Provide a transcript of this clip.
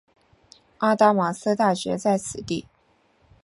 阿达玛斯大学在此地。